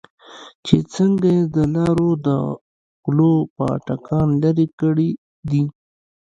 چې څنگه يې د لارو د غلو پاټکان لرې کړې دي.